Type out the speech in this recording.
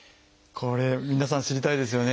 これ皆さん知りたいですよね。